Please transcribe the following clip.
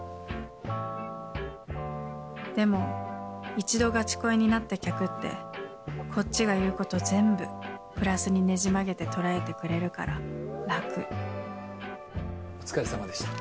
一度ガチ恋になった客ってこっちが言うこと全部プラスにねじ曲げてお疲れさまでした。